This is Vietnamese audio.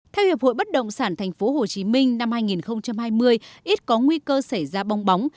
theo hiệp hội bất động sản tp hcm năm hai nghìn hai mươi ít có nguy cơ xảy ra bong bóng